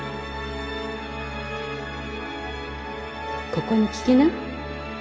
ここに聞きな。